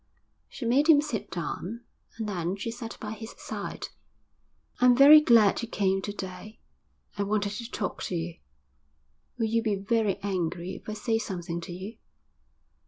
She made him sit down, and then she sat by his side. 'I'm very glad you came to day. I wanted to talk to you. Will you be very angry if I say something to you?'